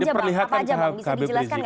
diberikan ke habib rizik